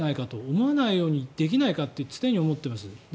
思わないようにできないかと常に思っています。